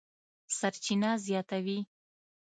سرچینه زیاتوي